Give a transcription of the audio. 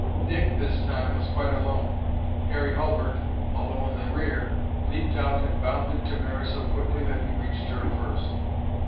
Dick, this time, was quite alone. Harry Hulbert, although in the rear, leaped out and bounded to Mary so quickly that he reached her first.